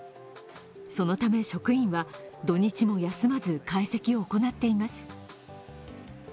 そのため、職員は土日も休まず解析を行っています。